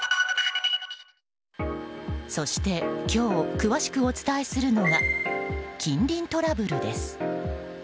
そして今日詳しくお伝えするのが近隣トラブルです。